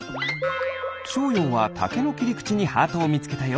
しょうようはタケのきりくちにハートをみつけたよ。